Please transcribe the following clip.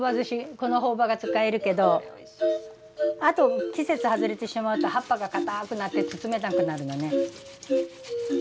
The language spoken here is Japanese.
この朴葉が使えるけどあと季節外れてしまうと葉っぱがかたくなって包めなくなるのね。